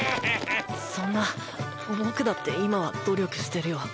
そんな僕だって今は努力してるよ